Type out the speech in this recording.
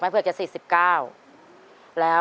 แม่เผือกจะ๔๙